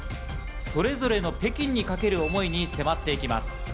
それぞれの北京にかける思いに迫っていきます。